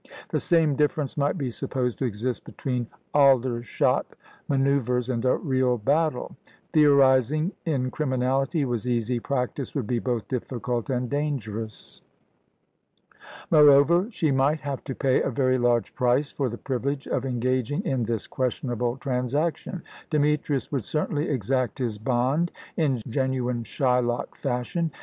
The same difference might be supposed to exist between Aldershot man[oe]uvres and a real battle. Theorising in criminality was easy; practice would be both difficult and dangerous. Moreover, she might have to pay a very large price for the privilege of engaging in this questionable transaction. Demetrius would certainly exact his bond in genuine Shylock fashion.